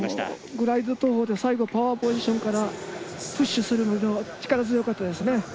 グライド投法で、最後パワーポジションからプッシュするときも力強かったですね。